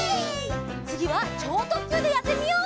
つぎはちょうとっきゅうでやってみよう！